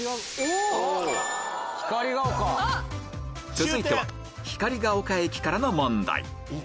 続いては光が丘駅からの問題